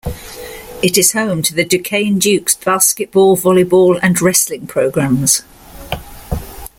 It is home to the Duquesne Dukes basketball, volleyball and wrestling programs.